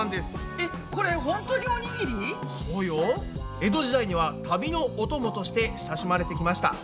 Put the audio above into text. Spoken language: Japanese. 江戸時代には旅のお伴として親しまれてきました。